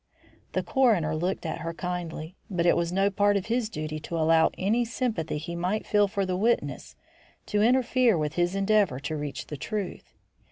The coroner looked at her kindly, but it was no part of his duty to allow any sympathy he might feel for the witness to interfere with his endeavour to reach the truth.